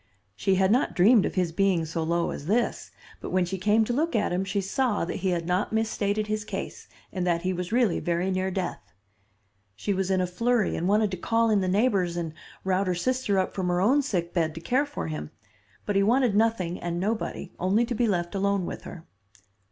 "She had not dreamed of his being so low as this, but when she came to look at him, she saw, that he had not misstated his case, and that he was really very near death. She was in a flurry and wanted to call in the neighbors and rout her sister up from her own sick bed to care for him. But he wanted nothing and nobody, only to be left alone with her.